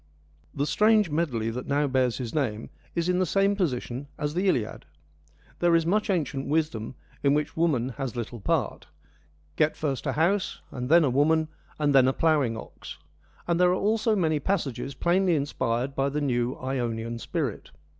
The strange medley that now bears his name is in the same position as the Iliad. There is much ancient wisdom, in which woman has little part. THE IONIANS AND HESIOD 25 ' Get first a house, and then a woman, and then a ploughing ox,' and there are also many passages plainly inspired by the new Ionian spirit.